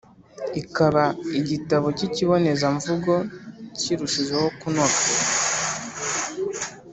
ikaba igitabo k’ikibonezamvugo kirushijeho kunoga